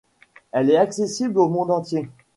Il est accessible au monde entier.